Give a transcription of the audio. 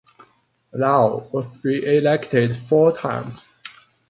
Lau was re-elected four times.